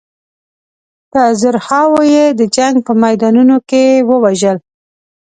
په زرهاوو یې د جنګ په میدانونو کې ووژل.